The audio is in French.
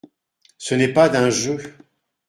Ce n’est pas d’un jeu.